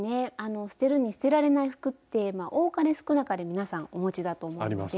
捨てるに捨てられない服って多かれ少なかれ皆さんお持ちだと思うので。